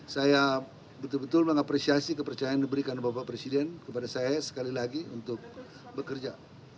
saya betul betul mengapresiasi kepercayaan yang diberikan bapak presiden kepada saya sekali lagi untuk bekerja